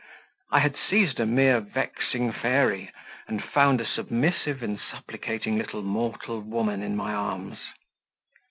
I had seized a mere vexing fairy, and found a submissive and supplicating little mortal woman in my arms.